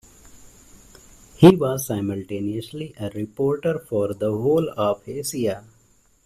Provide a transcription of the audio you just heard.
He was simultaneously a reporter for the whole of Asia.